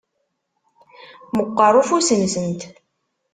Meqqeṛ ufus-nsent.